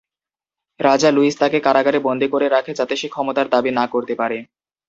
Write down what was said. রাজা লুইস তাকে কারাগারে বন্দী করে রাখে যাতে সে ক্ষমতার দাবী না করতে পারে।